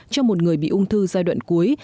cho một người bị ung thư giai đoạn cuối